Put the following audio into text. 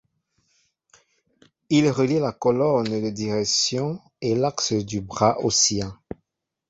Ils relient la colonne de direction et l'axe du bras oscillant.